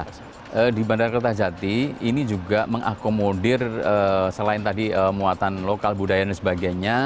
nah di bandara kertajati ini juga mengakomodir selain tadi muatan lokal budaya dan sebagainya